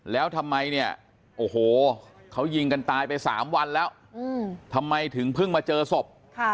แล้วทำไมเนี่ยโอ้โหเขายิงกันตายไป๓วันแล้วทำไมถึงเพิ่งมาเจอศพ